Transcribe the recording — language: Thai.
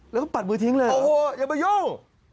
แล้วก็ปัดมือทิ้งเลยโอ้โหอย่ามายุ่ง